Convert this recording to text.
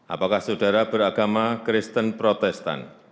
apakah saudara beragama kristen protestan